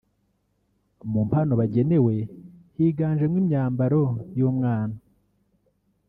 Mu mpano bagenewe higanjemo imyambaro y'umwana